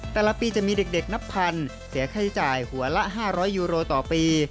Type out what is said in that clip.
แต่ละปีจะมีเด็กนับพันเสียค่าใช้จ่ายหัวละ๕๐๐ยูโรต่อปี